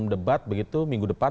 debat begitu minggu depan